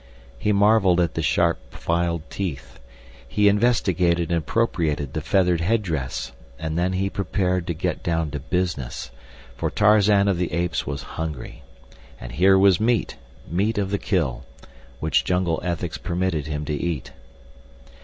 He marveled at the sharp filed teeth. He investigated and appropriated the feathered headdress, and then he prepared to get down to business, for Tarzan of the Apes was hungry, and here was meat; meat of the kill, which jungle ethics permitted him to eat.